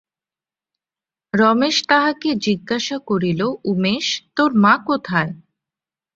রমেশ তাহাকে জিজ্ঞাসা করিল, উমেশ, তোর মা কোথায়?